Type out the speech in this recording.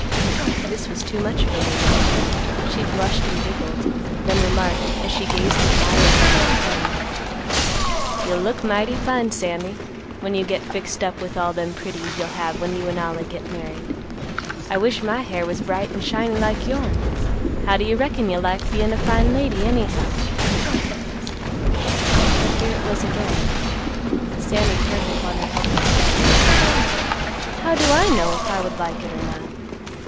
This was too much for Mandy; she blushed and giggled, then remarked, as she gazed admiringly at her friend, "You'll look mighty fine, Sammy, when you get fixed up with all them pretties you'll have when you an' Ollie git married. I wish my hair was bright an' shiny like yourn. How do you reckon you'll like bein' a fine lady anyhow?" Here it was again. Sammy turned upon her helpless friend, with, "How do I know if I would like it or not?